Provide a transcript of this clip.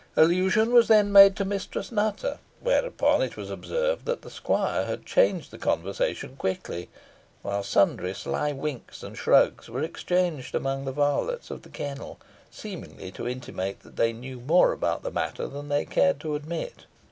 Allusion was then made to Mistress Nutter, whereupon it was observed that the squire changed the conversation quickly; while sundry sly winks and shrugs were exchanged among the varlets of the kennel, seeming to intimate that they knew more about the matter than they cared to admit.